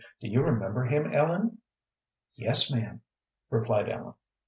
"Do you remember him, Ellen?" "Yes, ma'am," replied Ellen.